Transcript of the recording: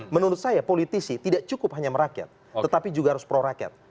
menurut saya politisi tidak cukup hanya merakyat tetapi juga harus pro rakyat